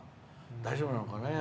大丈夫なのかね。